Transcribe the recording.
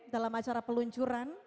dalam acara peluncuran